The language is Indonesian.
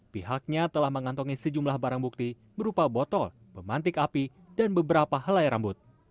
pihaknya telah mengantongi sejumlah barang bukti berupa botol pemantik api dan beberapa helai rambut